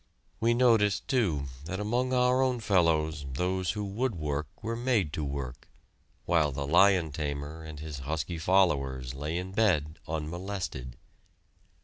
We noticed, too, that among our own fellows those who would work were made to work, while the "lion tamer" and his husky followers lay in bed unmolested.